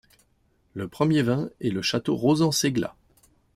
Le premier vin est le Château Rauzan-Ségla.